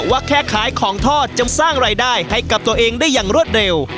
ว่าแค่ขายของทอดจนสร้างรายได้ให้กับตัวเองได้อย่างรวดเร็ว